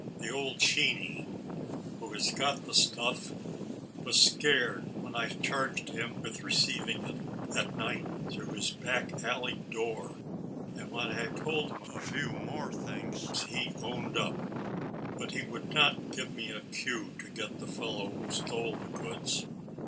The old Sheeney, who has got the stuff, was scared, when I charged him with receiving it, at night, through his back alley door, and, when I told him a few more things, he owned up; but he would not give me the cue, to get the fellow who stole the goods.